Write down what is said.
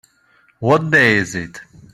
What day is it?